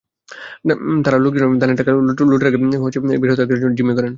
তাঁরা লোকজনের দানের টাকা লুটের আগে ছুরি ধরে বিহারাধক্ষ্যকে জিন্মি করেন।